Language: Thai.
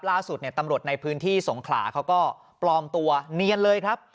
ล่าสุดตำรวจในพื้นที่สงขลาเขาก็ปลอมตัวเนียนเลยครับ